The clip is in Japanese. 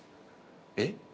えっ？